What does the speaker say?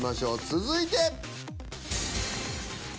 続いて。